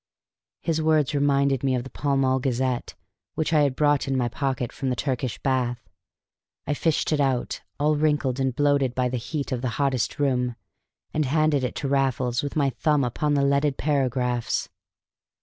His words reminded me of the Pall Mall Gazette, which I had brought in my pocket from the Turkish bath. I fished it out, all wrinkled and bloated by the heat of the hottest room, and handed it to Raffles with my thumb upon the leaded paragraphs.